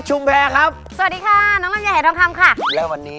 ชุ่มแผงครับสวัสดีค่ะน้องลำใหญ่แถมคำค่ะแล้ววันนี้